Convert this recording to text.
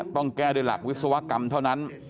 ต้องแก้ด้วยหลักวิศวกรรมเท่านั้น